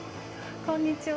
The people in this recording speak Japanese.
こんにちは。